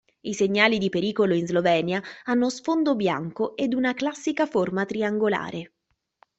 I segnali di pericolo in Slovenia hanno sfondo bianco ed una classica forma triangolare.